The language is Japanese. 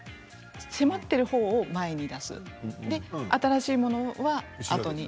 迫っている方を前に出す新しいものはあとに。